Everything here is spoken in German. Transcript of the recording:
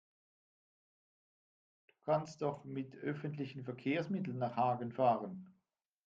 Du kannst doch mit öffentlichen Verkehrsmitteln nach Hagen fahren